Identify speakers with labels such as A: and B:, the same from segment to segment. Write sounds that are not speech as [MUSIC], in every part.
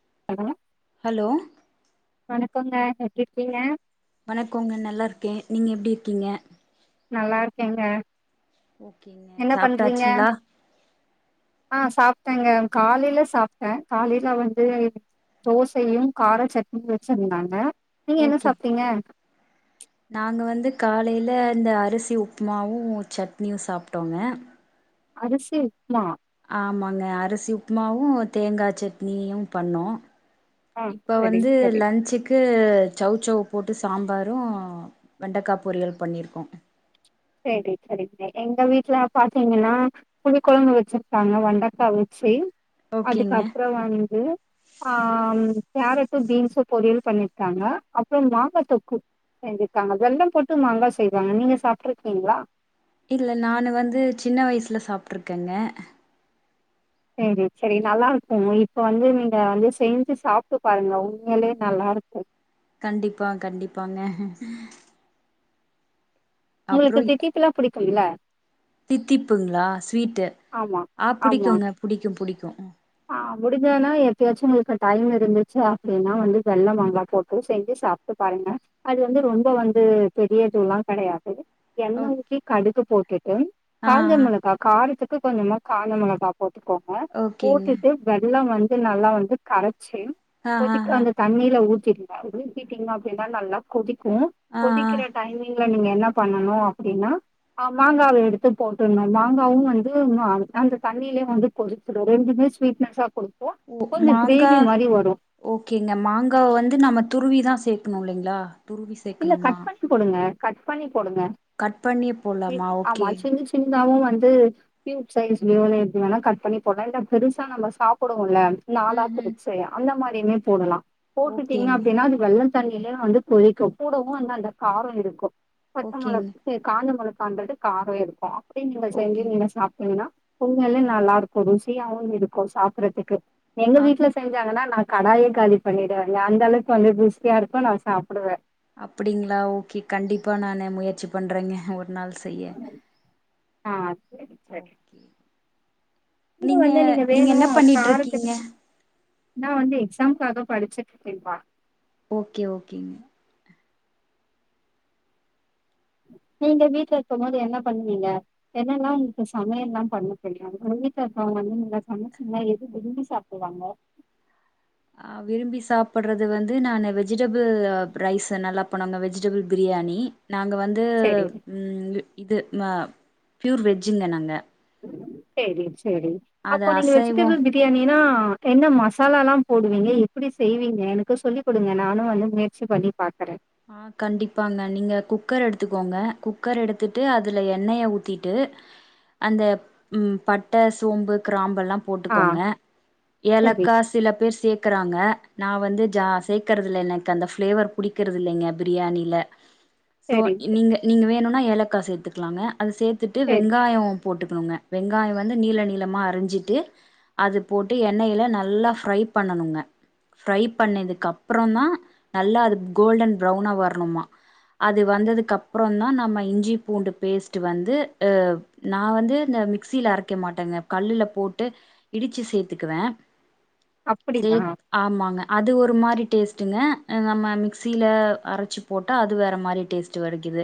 A: [INAUDIBLE]
B: Hello
A: வணக்கங்க எப்டி இருக்கீங்க
B: வணக்கோங்க நல்லா இருக்கேன் நீங்க எப்டி இருக்கீங்க
A: நல்லா இருக்கேங்க
B: ஓகேங்க
A: என்ன பண்றீங்க
B: சாப்பிட்டாச்சுங்களா
A: ங்க காலையில சாப்பிட்டேன் காலையில வந்து தோசையும் கார சட்னியும் வச்சிருந்தாங்க நீங்க என்ன
B: ஓகே
A: சாப்பிட்டீங்க
B: நாங்க வந்து காலையில இந்த அரிசி உப்புமாவும் சட்னியும் சாப்பிட்டோங்க
A: அரிசி உப்மா
B: ஆமாங்க அரிசி உப்புமாவும் தேங்காய் சட்னியும் பண்ணோம்
A: ஆ
B: இப்ப
A: சரி
B: வந்து
A: சரி
B: லஞ்ச்சுக்கு சௌச்சௌவ போட்டு சாம்பாரும் வெண்டைக்காய் பொரியலும் பண்ணிருக்கோம்
A: செரி செரிங்க எங்க வீட்டல பாத்தீங்கன்னா புளிக்குழம்பு வச்சிருக்காங்க வெண்டைக்காய் வச்சு
B: ஓகேங்க
A: அதுக்கப்றோ வந்து ஆம் கேரட்டு பீன்ஸும் பொரியல் பண்ணிருக்காங்க அப்றோ மாங்காய் தொக்கு செஞ்சிருக்காங்க வெல்லம் போட்டு மாங்காய் செய்வாங்க நீங்க சாப்பிட் ருகீங்களா
B: இல்ல நானு வந்து சின்ன வயசுல சாப்பிட்டுருக்கேங்க
A: செரி செரி நல்லா இருக்கும் இப் இப்ப வந்து நீங்க வந்து செஞ்சு சாப்பிட்டு பாருங்க உண்மேளே நல்லா இருக்கு
B: கண்டிப்பா கண்டிப்பாங்க அப்றோ
A: உங்களுக்கு தித்திப்புலாம் புடிக்கும்ல
B: தித்திப்புங்களா ஸ்வீட்டு
A: ஆமா
B: ஆ புடிக்குங்க புடிக்கு புடிக்கு
A: முடுஞ்சதுன்னா எப்பயாச்சு உங்களுக்கு டைம் இருந்துச்சு அப்டின்னா வந்து வெள்ள மாங்கா போட்டு செஞ்சு சாப்ட்டு பாருங்க அது வந்து ரொம்ப வந்து பெரிய இதுல்லா கெடையாது எண்ண ஊத்தி கடுகு போட்டு டு
B: ஆ ஆ
A: காஞ்ச மொளகா காரத்து த்துக்கு கொஞ்சமா காஞ்ச மொளகா போட் கோங்க
B: ஓகேங்க
A: போட்டுட்டு வெல்லம் மஞ்சள் நல்லா வந்து கரைச் சி
B: ஆ ஆ
A: இப்போதைக்கு
B: ஆ
A: அந்த தண்ணியல ஊத் ருங்க ஊத்திட்டீங்க அப்பின்னா நல்லா கொதிக் கு
B: ஆ ஆ
A: கொதிக்கற டைமிங் நீங்க என்ன பண்ணணு அப்டின்னா ஆ மாங்காவ எடுத்து போட்டுணு மாங்காவு வந்து ம அந்த தண்ணியலயு வந்து கொதிக்க கு ரெண்டுமே ஸ்வீட்நெஸ்அ குடுக்
B: ஓ மாங்கா ஓகேங்க மாங்காவ வந்து நம்ம துருவி தா. சேக்கணு இல்லிங்களா
A: இல்ல கட் பண்ணி போடுங்க கட் பண்ணி போடுங்க
B: கட் பண்ணிய போல்லாமா ஓகே
A: நாவு வந்து பூப் சைஸ் வோ கட் பண்ணி போடலா இ பெருசா நம்ம சாப்டுவோல நாலா
B: ம் ம்
A: பிரிச்சு அந்த மாரி எப்பயுமே போடலா போட்டுட்டீங்க
B: ஓகேங்க
A: அப்டின்னா அது வெள்ள தண்ணியல வந்து பொழிக்கும் கூடவு அந்த அந்த கார இருக்கோ பட்டை
B: ஓகேங்க
A: மெளகு காஞ்ச மெளக பண்றது காரோ இருக்கோ அப்டி நீங்க
B: ஓகே
A: செய்ஞுகண்ண நீங்க சாப்ட்டீங்கன்னா பொங்கலே நல்லா இருக்கு ருசியாவு இருக்கு சாப்பறதுக்கு எங்க
B: ஆ
A: வீட்டு்ல செஞ்சாங்கன்னா நா கடாய காலி பண்ணிடுவேன்ங்க அந்த அளவுக்கு வந்து ருசியா இருக்கு நா சாப்டுவே
B: அப்டிங்களா ஓகே கண்டிப்பா நானு முயற்சி பண்றேங்க ஒரு நாள் செய்ய
A: ஆ சேரி சேரி
B: ஓகே
A: கூட
B: நீங்க
A: வந்து
B: நீங்க
A: வேணு
B: என்ன பண்ணிட்டு
A: காரத்துக்கு
B: இருக்கீங்க
A: நா வந்து எக்ஸாம்காக படிச்சுடுற்றுகே பா
B: ஓகே ஓகேங்க
A: நீங்க வீட்டுல இருக்கு போது என்ன பண்ணுவீங்க என்னெல்லா உங்களுக்கு சமையல் எல்லா பண்ண தெரியு வீட்டுல இருக்கவங்க நீங்க சமைச்சீங்கன்னா எது விரும்பி சாப்பிடுவாங்க
B: ஆ விரும்பி சாப்பிடுறது வந்து நானு வெ வெஜிடபிள் ரைஸ் நல்லா இப்போ நாங்க வெஜிடபிள் பிரியாணி நாங்க வந்து
A: செரி
B: ம் இது ம ப்யூர் வெஜ்ஜுங்க நாங்க
A: செரி சேரி
B: அது
A: அப்போ நீங்க
B: அசைவோ
A: வெஜுடேபிள் பிரியாணினா அ என்ன மசாலால்லா போடுவீங்க எப்டி செய்வீங்க எனக்கு சொல்லிக் குடுங்க நானு வந்து முயற்சி பண்ணி பாக்குறே
B: ஆ கண்டிப்பாங்க நீங்க குக்கர் எடுத்துக்கோங்க குக்கர் எடுத்துட்டு அதுல எண்ணெய ஊத்திட்டு அந்த ம் பட்ட சோம்பு கிராம்பு ல்லா
A: ஆ
B: போட்டுக்கோங்க
A: செரி
B: ஏலக்கா சில பேர் சேர்க்கறாங்க நா வந்து ஜா சேக்கறதுல எனக்கு அந்த ஃப்ளேவர் பிடி கிறதுல்லேங்க பிரியாணில சோ
A: செரி
B: ன் நீங்க நீங்க வேணு நா ஏலக்கா சேத்துக்குலாங்க அத சேத்துட்டு
A: செரி
B: வெங்காயோ போட்டுப்போங்க வெங்காயோ வந்து நீல நீலமா அறிஞ்சிட்டு அது போட்டு எண்ணெயில நல்ல ஃப்ரை பண்ணணுங்க ஃப்ரை பண்ணதுக்கு அப்பறோ தா நல்லா அது கோல்டன் ப்ரௌனா வர்ணுமா அது வந்ததுக்கப்புற தா நம்ம இஞ்சி பூண்டு பேஸ்ட்டு வந்து நா வந்து இந்த மிக்சில அரைக்க மாட்டேங்க கல்லுல போட்டு இடிச்சு சேத்துக்குவே சே
A: அப்டியா
B: ஆமாங்க அது ஒரு மாரி டேஸ்டுங்க அ நம்ம மிக்ஸ் சீல அரச்சி போட்டா அது வேற மாரி டேஸ்ட்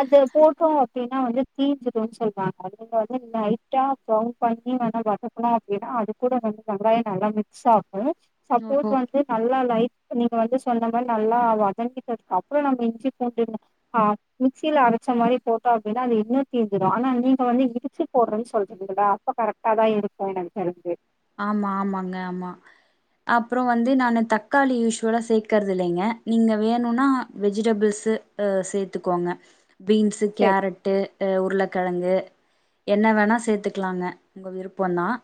A: அது போட்டோ அப்டின்னா வந்து தீச்சிடுச்செய் [UNINTELLIGIBLE] ங்க வந்து லைட்டா ப பண்ணி வதக்குணோம் அப்டின்னா அது கூட வந்து லைட்டா ப்ரௌன் பண்ணி நல்லா வதக்குனோ அப்டினா அதுக்கூட வெங்காயோ நல்லா மிக்ஸ் ஆகு ம் சப்போஸ்
B: ஓஹோ
A: வந்து நல்லா லைட் பண்ணி வந்து சொன்ன மாரி நல்லா வதங்கினதுக்கு அப்புறோ நம்ம இஞ்சி பூண்டு ஹா மிக்சில அரச்ச மாரி போட்டோ அப்டின்னா அது இன்னு தீஞ்சிரு ஆனா நீங்க வந்து இடிச்சு போடுறன்னு சொல்றீங்கள அப்ப கரெக்டா தா இருக்கும் எனக்கு தெரி்ஞ்சு
B: ஆமா ஆமாங்க ஆமா அப்புறோம் வந்து நானு தக்காளி யூஸ்வலா சேக்கறது இல்லைங்க நீங்க வேணுனா வெஜிடபிள்ஸ் ஆ சேர்த்துக்கோங்க பீன்ஸு
A: செரி
B: கேரட்டு உருளக்கிழங்கு என்ன வேணா சேத்துக்கலாங்க உங்க விருப்பம் தான்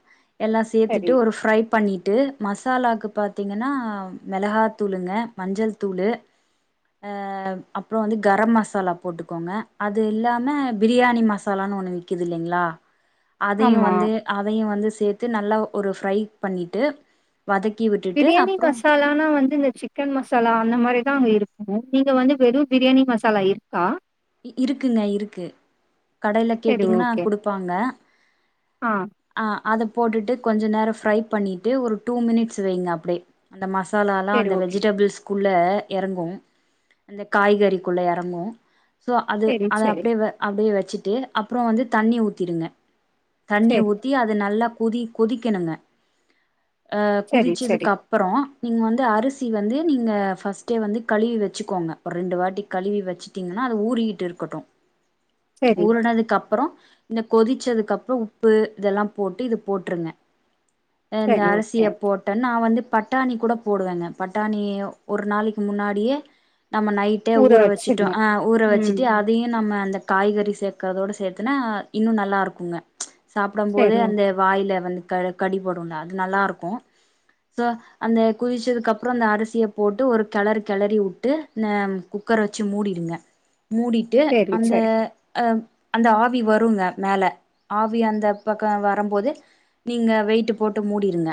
B: எல்லா சேத்துட்டு
A: செரி
B: ஒரு ஃப்ரை பண்ணிட்டு மசாலாக்கு பாத்தீங்கன்னா மிளகாத்தூளுங்க மஞ்சள் தூளு அ அப்புறோம் வந்து கரம் மசாலா போட்டுக்கோங்க அது இல்லாம பிரியாணி மசாலான்னு ஒண்ணு விக்குது இல்லைங்களா அதையும்
A: ஆமா
B: வந்து அதையும் வந்து சேத் நல்லா ஒரு ஃபிரை பண்ணிட்டு வதக்கி விட்டுட்டு
A: பிரியாணி
B: அப்புறோ
A: மசாலானா வந்து இந்த சிக்கன் மசாலா அந்த மாரி தான் அங்க இருக்கும் இங்க வந்து வெறும் பிரியாணி மசாலா இருக்கா
B: இருக்குங்க இருக்கு கடையில
A: செரி
B: கேட்டீங்கன்னா
A: ஓகே
B: குடுப்பாங்க
A: ஆ
B: ஆ அத போட்டுட்டு கொஞ்ச நேரம் ஃப்ரை பண்ணிட்டு ஒரு டூ மினிட்ஸ் வைங்க அப்டியே அந்த மச மசாலாலாம்
A: சரி
B: அந்த
A: ஓகே
B: வெஜிடபிள்ஸ் குள்ள இறங்கும் அந்த காய்கறிக்குள்ள இறங்கும் சோ அது
A: சரி
B: அத
A: சரி
B: அப்டியே வ அப்டியே வ ச்சுட்டு அப்புறம் வந்து தண்ணி ஊத்திருங்க தண்ணி
A: சரி
B: ஊத்தி அது நல்லா கொதி கொதிக்கணுங்க அ
A: சரி சரி
B: குதிச்சதுக்கு அப்புறம் நீங்க வந்து அரிசி வந்து நீங்க ஃபர்ஸ்டே வந்து கழுவி வச்சுக்கோங்க ஒரு ரெண்டு வாட்டி கழுவி வச்சுட்டீங்க அது ஊறிக்கிட்டு இருக்கட்டும்
A: சரி
B: ஊர்னதுக்கு அப்பறம் இந்த கொதிச்சதுக்கு அப்பறம் உப்பு இதெல்லாம் போட்டு இது போட்ருங்க ஆ இந்த
A: சரி ஓகே
B: அரிசிய போட்டன் நான் வந்து பட்டாணி கூட போடுவேங்க பட்டாணி ஒரு நாளைக்கு முன்னாடியே நம்ம நைட்டே ஊற வச்சுட்டோம் ஆ ஊற
A: ம்
B: வச்சுட்டு அதையும் நம்ம அந்த காய்கறி சேர்க்கறதோட சேர்த்தனா இன்னும் நல்லா இருக்குங்க சாப்பிட போதே
A: சரி
B: அந்த
A: ஓகே
B: வாயில வந்து கடி போடுனுல அது நல்லா இருக்கும் சோ அந்த குதிச்சதுக்கு அப்புறம் அந்த அரிசிய போட்டு ஒரு கெளறு கெளறி விட்டு அ குக்கரை வச்சு மூடிடுங்க மூடிட்டு
A: சரி
B: அந்த
A: சரி
B: அ அந்த ஆவி வருங்க மேல ஆவி அந்த பக்கம் வரும்போது நீங்க வெயிட்டு போட்டு மூடிருங்க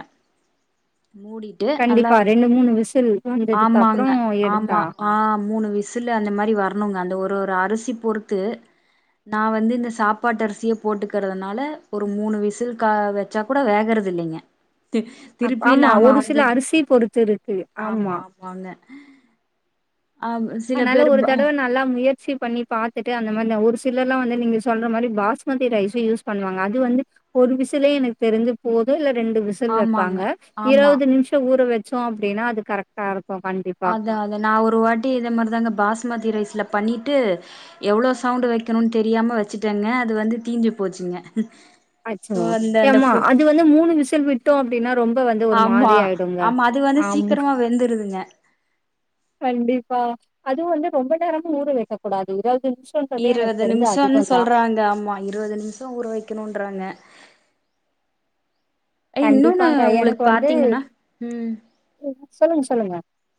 B: மூடிட்டு நல்லா
A: கண்டிப்பா ரெண்டு மூணு விசில் வந்ததுக்கு அப்றோ
B: ஆமாங்க ஆமா
A: எடுத்தா
B: மூணு விசில் அந்த மாரி வரணுங்க அந்த ஒரு தோ ஒரு அரிசி பொறுத்து நா வந்து இந்த சாப்பாட்டு அரிசியே போட்டுக்கறதுனால ஒரு மூணு விசில் கா வச்சா கூட வேகறது இல்லிங்க
A: அப் ஆமா ஒரு சில அரிசி பொறுத்து இருக்கு ஆமா
B: [UNINTELLIGIBLE] ஆ சில
A: அதனால
B: பேரு
A: ஒரு தடவ நல்லா முயற்சி பண்ணி பாத்துட்டு அந்த அந்த மாரி ஒரு சிலர் எல்லா வந்து நீங்க சொல்ற மாரி பாஸ்மதி ரைஸ் யூஸ் பண்ணுவாங்க அது வந்து ஒரு விசில எனக்கு தெரிஞ்சு போது இல்ல ரெண்டு விசல்
B: ஆமாங்க
A: வப்பாங்க
B: ஆமா
A: இருபது நிமிஷம் ஊற வச் வச்சோ அப்டின்னா அது கரெக்ட்டா இருக்
B: அத அத நா ஒரு வாட்டி இத ம அதாங்க பாஸ்மதி ரைஸில பண்ணிட்டு எவ்ளோ சவுண்டு வக்கனு தெரியாம வச்சுட்டேங்க அது வந்து தீஞ்சி போச்சுங்க
A: அச்சோ
B: சோ அந்த அந்த
A: ஏம்மா
B: ஃபு
A: அது வந்து மூணு விசில் விட்டோ அ பினப்
B: ஆமா ஆமா அது வந்து
A: ஆம்
B: சீக்கிரமா வெந்துருதுங்க
A: கண்டிப்பா அதும் வந்து ரொம்ப நேரம் ஊறு வக்கக் கூடாது இதா
B: இருபது நிமிஷம்னு சொல்றாங்க அம்மா இருபது நிமிஷ ஊற வக்கணும்ன்றாங்க எ இன்னொன்னு
A: கண்டிப்பாங்க.
B: உங்களுக்கு
A: எனக்கு வந்து
B: பாத்தீங்கன்னா ம்
A: சொல்லுங்க சொல்லுங்க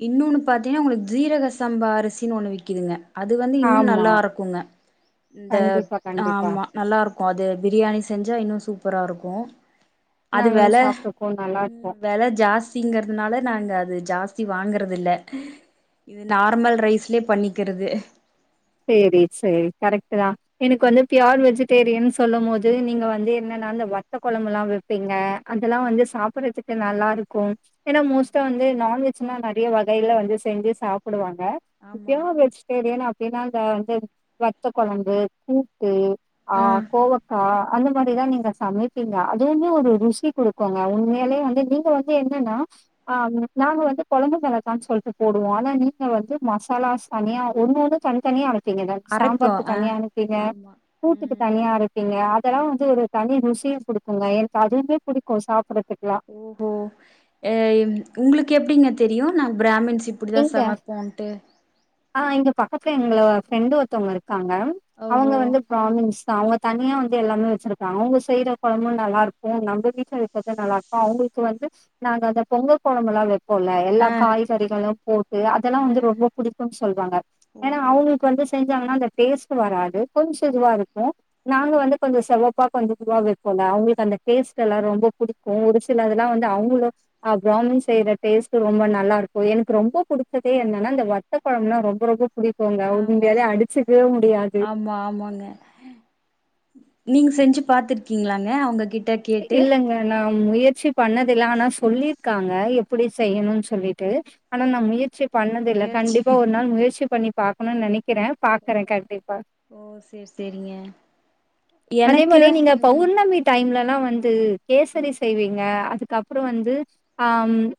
B: இன்னொன்னு பாத்தீங்கன்னா உங்களுக்கு ஜீரக சம்பா அரிசின்னு ஒன்னு விக்குதுங்க அது வந்து இன்னு
A: ஆமா.
B: நல்லா இருக்குங்க இந்த
A: கண்டிப்பா, கண்டிப்பா.
B: ஆமா நல்லா இருக்கும் அது பிரியாணி செஞ்சா இன்னு சூப் ப்பரா இருக்கு அது வெள
A: நாங்களும் சாப்ட்டுருக்கோம். நல்லாருக்கும்.
B: வெள ஜாஸ்திங்குறதுனால நாங்க அது ஜாஸ் தி வாங்கறது இல்ல இது நார்மல் ரைஸ்லே பண்ணிக்குறது
A: சேரி சேரி கரெக்டு தா எனக்கு வந்து ப்யோர் வெஜிடேரியன் சொல்லு போது நீங்க வந்து என்னன்னா இந்த வத்த கொழம்பு லா வப்பீங்க அதெல்லா வந்து சாப்பறதுக்கு நல்லாருக் [INAUDIBLE] ஏனா மோஸ்ட்டா வந்து நான்வெஜ் சும்மா நெறைய வகைல வந்து செஞ்சு சாப்புடுவாங்க அ
B: ஆமா
A: ப்யூர்வெஜ்டேரியன் அப்பின்னா தா இந்த வந்து வத்த கொழம்பு கூட்டு ஆ கோவக்கா அந்த மாரிதா நீங்க சமப்பீங்க அதுவுமே ஒரு ருசி கொடுக்கும்ங்க உண்மையலே வந்து நீங்க வந்து என்னன்னா ஆ நாங்க வந்து குழம்பு மிளாகா சொல்ட்டு போடுவோ ஆனா நீங்க வந்து மசாலாஸ் தனியா ஒண்ணு ஒண்ணு தனி தனியா அரைப் நீங்கள
B: அரைப்போ
A: சாம்பாருக்கு
B: ஆ
A: தனியா அனுப்பீங்க
B: ஆமா
A: கூட்டுக்கு
B: ம்
A: தனியா அரைப்பீங்க
B: அது
A: அதெல்லாவந்து ஒரு தனி ருசிய குடுக்குங்க எனக்கு அதுவுமே பிடிக்கு சாப்படுறதுக்
B: ஓஹோ எ உங்ளுக் எப்டிங்க தெரியு நா ப்ராமின்ஸ் ச்சு இப்பிடிதா‌
A: எங்க
B: சமைபோன்ட்டு
A: அப்புறோ எங்களோ ஃப்ரெண்டு ஒருத்தவங்க இருக் இருக்காங்க அவங்க
B: ஓஹோ
A: வந்து ப்ராமின்ஸ்தா அவங்க தனியா வந்து எல்லாமே வச்சிருப்பாங்க அவேங்க செய்யுற கொழம்பு நல்லா இருக்கு நம்ம வீட்டுல வைக்கிறது நல்லா இருக்கு அவங்களுக்கு வந்து நாங்க அந்த பொங்க கொழம்புல்லா வெப்போ குல எல்லா
B: ஆ
A: காய்கறிகளு போட்டு அதெல்லா
B: ஆ
A: வந்து ரொம்ப புடிக்குன் சொல்லுவாங்க ஏனா
B: ஓஹோ
A: அவங்ளுக்கு வந்து செ செஞ்சாங்கன்னா அந்த டேஸ்ட் வராது கொஞ்சோதுவா இருக்கு நாங்க வந்து கொஞ்ச செவப்பு அப்பாக்கு வந்து உருவா வைப்போல அவங்களுக்கு அந்த டேஸ்ட் எல்லா ரொம்ப பிடிக்கு ஒரு சிலதுல்லா வந்து அவங்களு அ பிராமின் செய்யற டேஸ்ட் ரொம்ப நல்லா இருக்கு எனக்கு ரொம்ப புடிச்சதே என்னன்னா அந்த வத்த கொழம்புன்னா ரொம்ப ரொம்ப புடிக்கோங்க
B: ஆமா
A: உண்டியாலே அடிச்சுக்கவே முடியாது
B: ஆமா ஆமாங்க நீங்க செஞ்சு பாத்துருக்கீங்களாங்க அவங்க கிட்
A: இல்லங்க நா முயற்சி பண்ணதுல்ல ஆனா சொல்லிருக்காங்க எப்படி செய்யணுன்னு சொல்லிட்டு ஆனா நா முயற்சி பண்ணதில்ல
B: முயற்சி
A: கண்டிப்பா ஒரு நாள் முயற்சி பண்ணி பாகணுன்னு நெனைக்
B: ஓ ஓ சரி சரிங்க
A: அதே மாரி நீங்க பவுர்ணமி டைம்ல ல்லா வந்து கேசரி செய்வீங்க அதுக்கப்புறோ வந்து அ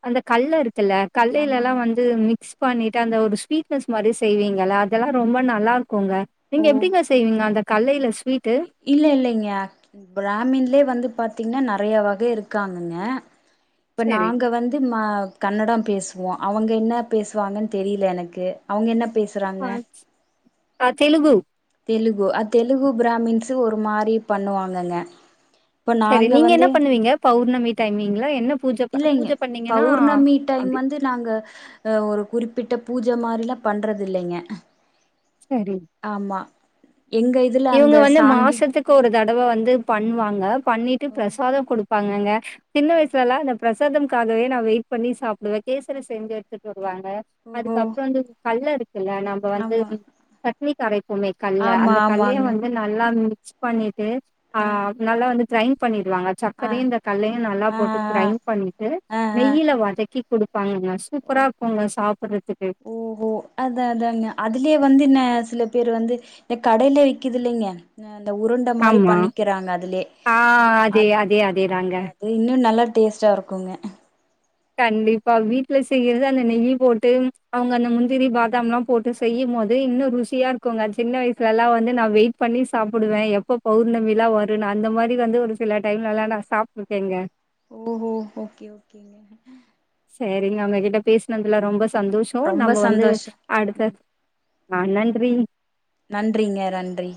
A: அந்த கல்ல இருக்கு ல்ல கடலல்லா
B: ஆமாங்க
A: வந்து மிக்ஸ் பண்ணிட்டு அந்த ஒரு ஸ்வீட்னஸ் மாரி செய்வீங்கள அதெல்லா ரொம்ப நல்லா குங்க நீங்க
B: ஓ
A: எப்டிங்க செய்வீங்க அந்த கலலை ஸ்
B: இல்ல இல்ல ங்க பிராமின்லே வந்து பாத்தீங்கன்னா நெறைய வக இருக்காங்கங்க இப்ப
A: சரி.
B: நாங்க வந்து மா கன்னட பேசுவோ அவுங்க என்ன பேசுவாங்க தெரியல எனக்கு அவுங்க என்ன பேசுறாங்க
A: பான்ஞ்சி ஆ தெலுகு
B: தெலுகு அ தெலுகு பிராமின்ஸ்ு ஒரு மாரி பண்ணுவாங்கங்க இப்ப
A: சரி
B: நாங்க
A: நீங்க என்ன
B: வந்து
A: பண்ணுவீங்க பௌர்ணமி டைமிங்ல என்ன பூஜ ப பூஜ
B: இல்லைங்க
A: பண்ணீங்கன்னா
B: பௌர்ணமி டைம்
A: அப்டி
B: வந்து நாங்க ஒரு குறி ப்பிட்ட பூஜை மாரிலா பண்றது இல்லைங்க ஆமா எங்க இதுல
A: இவுங்க
B: அந்த
A: வந்து
B: சாங்கி
A: மாசத்துக்கு ஒரு தட வ வந்து பண்வாங்க பண்ணிட்டு பிரசாதம் கொடு ப்பாங்கங்க சின்ன வயசுலாலா அந்தப் பிரசாதம்க்காகவே நா வெயிட் பண்ணி சாப்டுவே கேசரி செஞ்ச எடுத்துட்டுன் வாங்க
B: ஓஹோ!
A: அதுக்கப்புற வந்து கல்ல இரு இல்ல நம்ப வந்து
B: ஆமா.
A: சட்னி கரைப்போமே கல்ல
B: ஆமா,
A: அந்த கல்லய
B: ஆமாங்க.
A: வந்து நல்லா மிக்ஸ் பண்ணிட் டு ஆ
B: அ,
A: நல்லா வந்து க்ரைன் பண்ணி வாங்க
B: அ,
A: சக்கரையு இந்த கல்லயு நல்லா
B: ஆ,
A: போட்டு
B: ஆ.
A: க்ரைண்ட் பண்ணிட்டு
B: ஆ, ஆ.
A: நெய்யில வதக்கி கொடுத்
B: ஓ ஓ அதது அதுலயே வந்து என்ன சில பேர் வந்து எ கடையலய விக்குது இல்லைங்க அந்த உருண்ட மாரி
A: ஆமா.
B: பண்ணிக்கிறாங்க அதுலயே
A: ஆ
B: அ
A: அதே அதே அதேதாங்க.
B: அது இன்னு நல்ல டேஸ்ட்டா இருக்குங்க
A: கண்டிப்பா வீட்டுல செய்யறது அந்த நெயி போட்டு அவுங்க அந்த முந்திரி பாதாம்ல்லா போட்டு செய்யும் போது இன்னு ருசியா இருக்குங்க சின்ன வயசுல எல்லா வந்து நா வெயிட் பண்ணி சாப்பிடுவே எப்ப பௌர்ணமிலா வரு நா அந்த மாதிரி வந்து ஒரு சில டைம்லல்லா நா சாப்பிடுக்கேங்க
B: ஓஹோ! ஓகே ஓகேங்க
A: சரிங்க அவுங்ககிட்ட பேசினதுல ரொம்ப சந்தோஷோ
B: ரொம்ப
A: நம்ம வந்து
B: சந்தோஷோ
A: அடுத்த
B: ம்
A: ஆ நன்றி
B: நன்றிங்க நன்றி